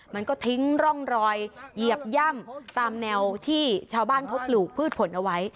มันก็ทิ้งร่องรอยเหยียบย่ำตามแนวที่ชาวบ้านเขาปลูกพืชผลเอาไว้